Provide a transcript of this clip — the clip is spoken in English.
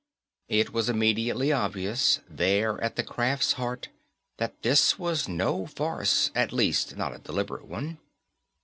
It was immediately obvious, there at the craft's heart, that this was no farce, at least not a deliberate one.